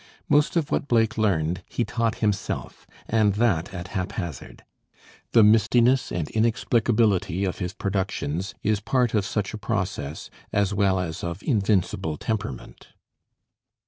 Most of what Blake learned he taught himself, and that at haphazard. The mistiness and inexplicability of his productions is part of such a process, as well as of invincible temperament.